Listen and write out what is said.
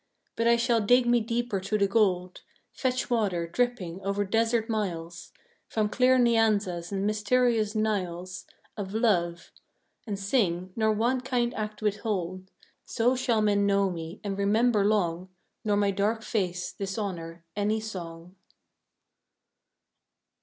But I shall dig me deeper to the gold; Fetch water, dripping, over desert miles, From clear Nyanzas and mysterious Niles Of love; and sing, nor one kind act withhold. So shall men know me, and remember long, Nor my dark face dishonor any song.